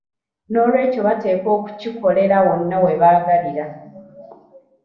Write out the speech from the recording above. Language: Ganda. N'olwekyo bateekwa okukikola wonna we baagalira.